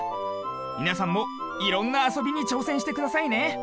みなさんもいろんなあそびにちょうせんしてくださいね。